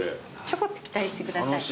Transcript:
ちょこっと期待してください。